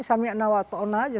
sama yang ada waktu itu saja